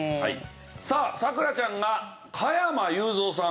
さあ咲楽ちゃんが加山雄三さん。